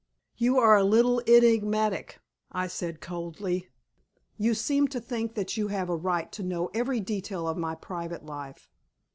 "You are a little enigmatic," I said, coldly. "You seem to think that you have a right to know every detail of my private life."